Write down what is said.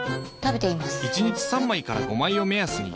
１日３枚から５枚を目安に。